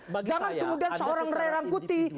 jangan kemudian seorang ray rangkuti